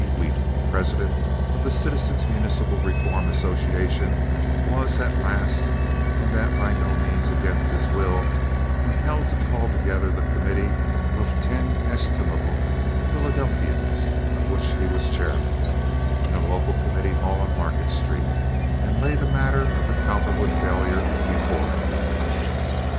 Wheat, President of the Citizens' Municipal Reform Association, was, at last and that by no means against his will, compelled to call together the committee of ten estimable Philadelphians of which he was chairman, in a local committee hall on Market Street, and lay the matter of the Cowperwood failure before it.